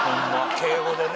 敬語でね